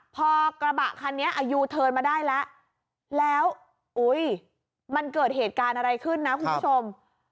พอกระบะคันนี้อายุยูเทิร์นมาได้แล้วแล้วมันเกิดเหตุการณ์อะไรขึ้นนะคุณผู้ชม